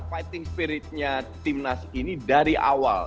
fighting spiritnya tim nas ini dari awal